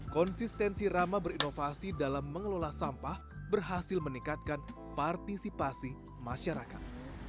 konsistensi rama berinovasi dalam mengelola sampah berhasil meningkatkan partisipasi masyarakat